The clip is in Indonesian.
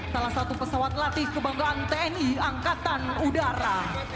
salah satu pesawat latih kebanggaan tni angkatan udara